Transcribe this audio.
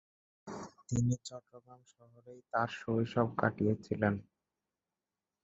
তিনি চট্টগ্রাম শহরেই তার শৈশব কাটিয়েছিলেন।